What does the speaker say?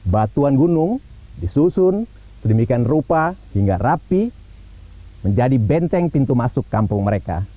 batuan gunung disusun sedemikian rupa hingga rapi menjadi benteng pintu masuk kampung mereka